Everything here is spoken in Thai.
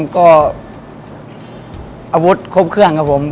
ก็อาวุธครบเครื่องครับผม